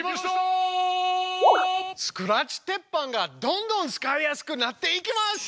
スクラッチ鉄板がどんどん使いやすくなっていきます！